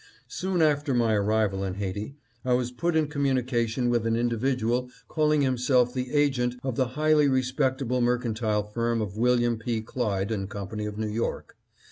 Soon after my arrival in Haiti I was put in communication with an individual calling himself the agent of the highly re spectable mercantile firm of William P. Clyde & Co. of New York.